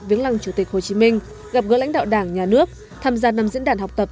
viếng lăng chủ tịch hồ chí minh gặp gỡ lãnh đạo đảng nhà nước tham gia năm diễn đàn học tập